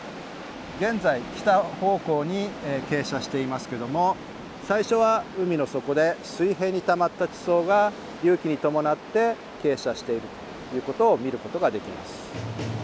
現在北方向に傾斜していますけども最初は海の底で水平にたまった地層が隆起にともなって傾斜しているということを見ることができます。